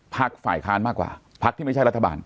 ฝ่ายค้านมากกว่าพักที่ไม่ใช่รัฐบาล